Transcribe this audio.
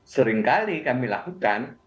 seringkali kami lakukan